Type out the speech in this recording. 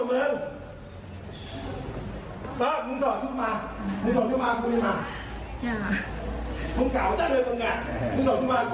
มีต่อชุมมามีต่อชุมมามาเขากล่อกลายตรงนั้น